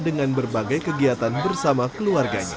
dengan berbagai kegiatan bersama keluarganya